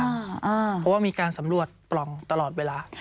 เพราะว่ามีการสำรวจปล่องตลอดเวลา